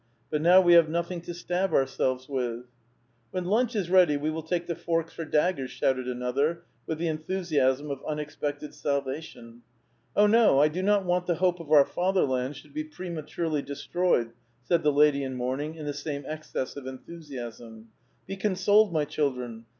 But now we have nothing to stab ourselves with." " When lunch is ready, we will take the forks for dag gers I " shouted another, with the enthusiasm of unexpected salvation. " Oh, no, I do not want the hope of our fatherland should be prematurely destroyed," said the lady in mourning, in the same excess of enthusiasm. " Be consoled, my childi*en